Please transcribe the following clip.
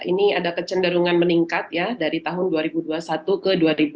ini ada kecenderungan meningkat ya dari tahun dua ribu dua puluh satu ke dua ribu dua puluh